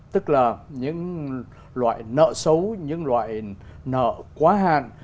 tức là những loại nợ xấu những loại nợ quá hạn